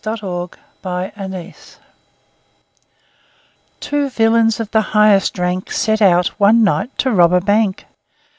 Ambrose Bierce Business TWO villains of the highest rank Set out one night to rob a bank.